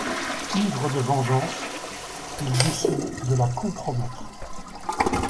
Ivre de vengeance, il décide de la compromettre.